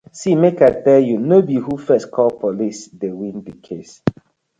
See mek I tell you be who first call Police dey win the case,